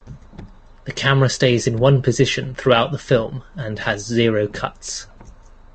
The camera stays in one position throughout the film and has zero cuts.